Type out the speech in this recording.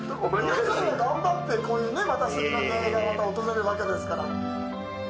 皆さんが頑張って、こういうすてきな出会いが、また訪れるわけですから。